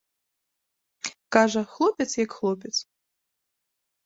Кажа, хлопец як хлопец.